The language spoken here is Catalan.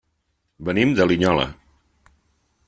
Venim de Linyola.